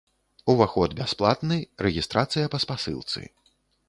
Уваход бясплатны, рэгістрацыя па спасылцы.